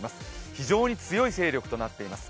非常に強い勢力となっています。